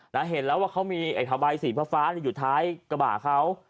แล้วเห็นแล้วว่าเขามีไอพะใบสีฟ้าอยู่ท้ายกระบาดเขา